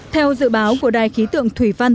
theo dự báo của đài khí tượng thủy văn